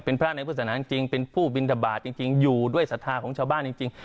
เป็นพระในพุทธศนาจริงเป็นผู้บินทบาทจริงอยู่ด้วยศรัทธาของชาวบ้านจริง